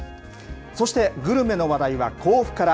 そしてグルメの話題は甲府から。